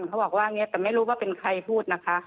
เขาบอกว่าอย่างนี้แต่ไม่รู้ว่าเป็นใครพูดนะคะ